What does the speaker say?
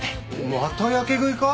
またやけ食いか？